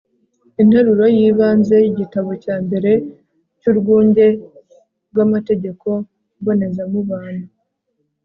interuro y'ibanze y'igitabo cya mbere cy'urwunge rw'amategeko mbonezamubano